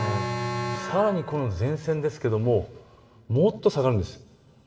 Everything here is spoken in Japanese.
さらにこの前線ですがもっと下がるんです。